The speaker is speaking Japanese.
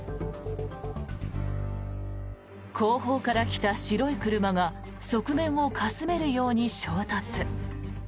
後方から来た白い車が側面をかすめるように衝突。